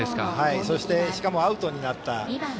そして、しかもアウトになった。